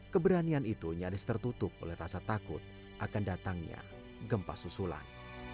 keberanian itu nyaris tertutup oleh rasa takut akan datangnya gempa susulan